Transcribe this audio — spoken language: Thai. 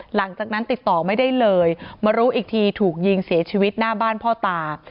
หลังจากนั้นติดต่อไม่ได้เลยมารู้อีกทีถูกยิงเสียชีวิตหน้าบ้านพ่อตา